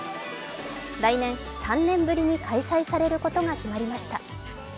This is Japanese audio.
来年、３年ぶりに開催されることが決まりました。